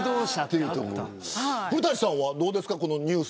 古舘さんはどうですか。